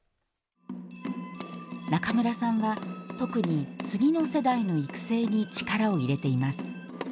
中村さんは、特に次の世代の育成に力を入れています。